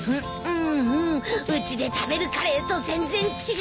うちで食べるカレーと全然違う！